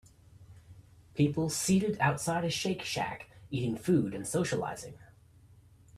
People seated outside a Shake Shack, eating food and socializing.